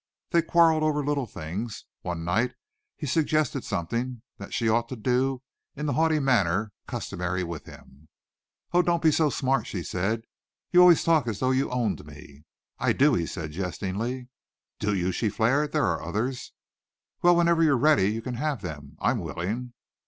They quarreled over little things. One night he suggested something that she ought to do in the haughty manner customary with him. "Oh, don't be so smart!" she said. "You always talk as though you owned me." "I do," he said jestingly. "Do you?" she flared. "There are others." "Well, whenever you're ready you can have them. I'm willing."